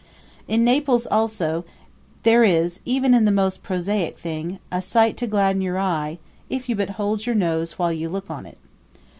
In Naples, also, there is, even in the most prosaic thing, a sight to gladden your eye if you but hold your nose while you look on it.